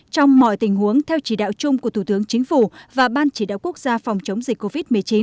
trong mọi tình huống theo chỉ đạo chung của thủ tướng chính phủ và ban chỉ đạo quốc gia phòng chống dịch covid một mươi chín